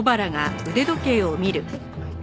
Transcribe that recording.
はい。